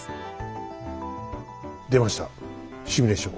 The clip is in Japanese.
出ましたシミュレーション。